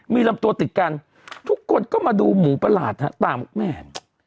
มีลำตัวติดกันทุกคนก็มาดูหมูประหลาดฮะตามแม่